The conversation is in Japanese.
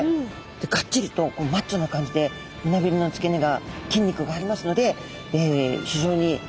ガッチリとこうマッチョな感じで胸びれの付け根が筋肉がありますので非常に歩くような